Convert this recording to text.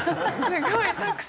すごいたくさん。